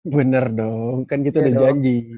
bener dong kan kita udah janji